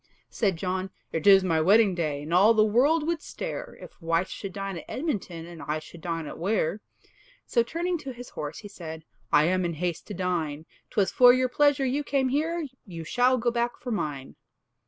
Said John, "It is my wedding day, And all the world would stare, If wife should dine at Edmonton, And I should dine at Ware." So turning to his horse, he said, "I am in haste to dine; 'Twas for your pleasure you came here, You shall go back for mine."